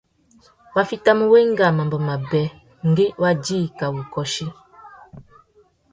Wá fitimú wenga mamba mabê ngüi wa djï kā wu kôchi.